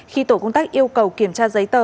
khi tổ công tác yêu cầu kiểm tra giấy tờ